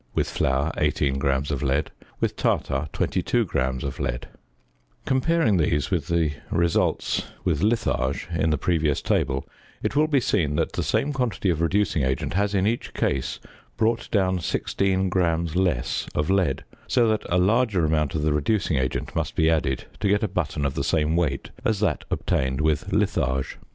" flour, 18 """ tartar, 22 "" Comparing these with the results with litharge, in the previous table it will be seen that the same quantity of reducing agent has in each case brought down 16 grams less of lead, so that a larger amount of the reducing agent must be added to get a button of the same weight as that obtained with litharge.